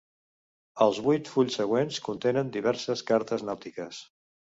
Els vuit fulls següents contenen diverses cartes nàutiques.